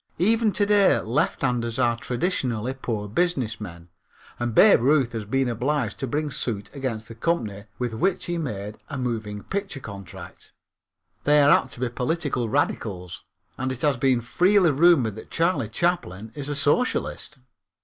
Even to day lefthanders are traditionally poor business men and Babe Ruth has been obliged to bring suit against the company with which he made a moving picture contract. They are apt to be political radicals, and it has been freely rumored that Charlie Chaplin is a Socialist.